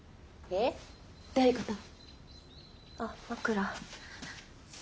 あっ枕。